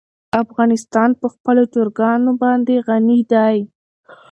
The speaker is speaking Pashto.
افغانستان په خپلو چرګانو باندې غني دی.